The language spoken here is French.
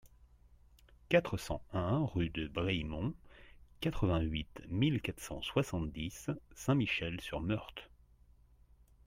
quatre cent un rue de Brehimont, quatre-vingt-huit mille quatre cent soixante-dix Saint-Michel-sur-Meurthe